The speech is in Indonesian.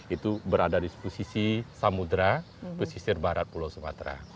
itu berada di posisi samudera pesisir barat pulau sumatera